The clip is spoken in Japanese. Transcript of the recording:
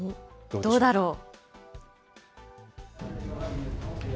どうだろう。